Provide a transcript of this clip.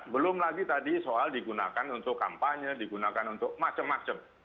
belum lagi tadi soal digunakan untuk kampanye digunakan untuk macam macam